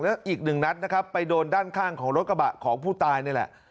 แล้วอีกหนึ่งนัดนะครับไปโดนด้านข้างของรถกระบะของผู้ตายนี่แหละ